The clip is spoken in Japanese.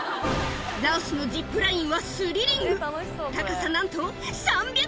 ラオスのジップラインはスリリング高さなんと３００ｍ！